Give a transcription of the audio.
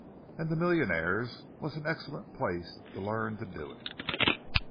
And the Millionaires' was an excellent place to learn to do it!